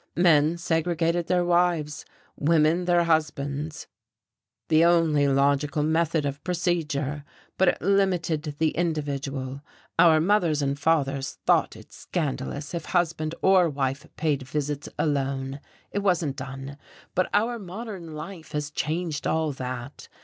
Men segregated their wives, women their husbands, the only logical method of procedure, but it limited the individual. Our mothers and fathers thought it scandalous if husband or wife paid visits alone. It wasn't done. But our modern life has changed all that.